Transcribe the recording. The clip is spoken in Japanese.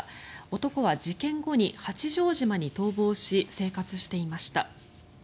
男は事件後に八丈島に逃亡し生活していました。